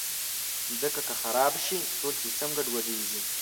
مځکه که خراب شي، ټول سیسټم ګډوډېږي.